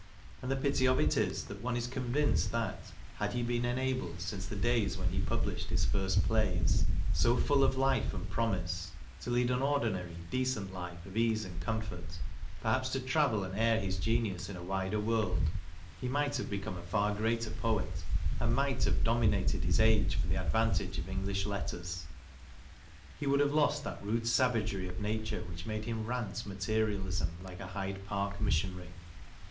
And the pity of it is that one is convinced that, had he been enabled since the days when he published his first plays so full of life and promise to lead an ordinary decent life of ease and comfort, perhaps to travel and air his genius in a wider world, JOHN DAVIDSON 213 he might have become a far greater poet and might have dominated his age for the advantage of English letters. He would have lost that rude savagery of nature which made him rant materialism like a Hyde Park missionary.